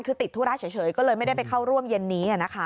คือติดธุระเฉยก็เลยไม่ได้ไปเข้าร่วมเย็นนี้